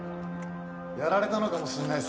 やられたのかもしんないっすね。